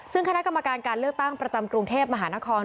ซึ่งคณะกรรมการการเลือกตั้งประจำกรุงเทพมหานคร